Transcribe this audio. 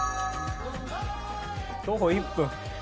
徒歩１分。